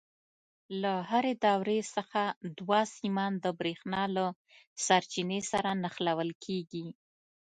له هرې دورې څخه دوه سیمان د برېښنا له سرچینې سره نښلول کېږي.